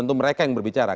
tentu mereka yang berbicara